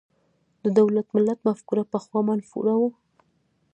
د دولت–ملت مفکوره پخوا منفوره وه.